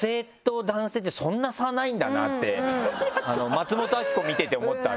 松本明子見てて思った。